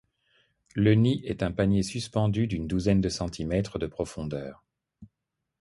Le nid est un panier suspendu d’une douzaine de centimètres de profondeur.